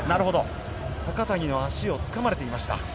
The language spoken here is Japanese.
高谷の足を掴まれていました。